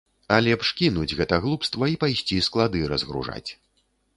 А лепш кінуць гэта глупства і пайсці склады разгружаць.